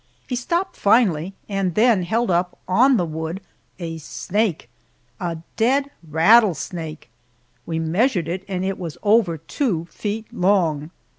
He stopped finally, and then held up on the wood a snake a dead rattlesnake! We measured it, and it was over two feet long.